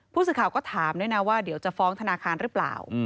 ผู้สื่อข่าวก็ถามด้วยนะว่าเดี๋ยวจะฟ้องธนาคารหรือเปล่า